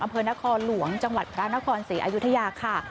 อำเภอนครหลวงจังหวัดพระนครศรีอยุธยาค่ะ